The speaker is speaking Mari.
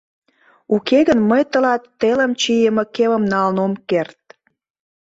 Уке гын мый тылат телым чийыме кемым налын ом керт...